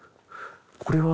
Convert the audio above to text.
これは。